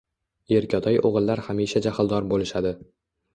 Erkatoy o`g`illar hamisha jahldor bo`lishadi